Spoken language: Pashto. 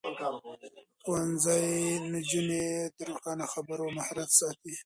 ښوونځی نجونې د روښانه خبرو مهارت ساتي.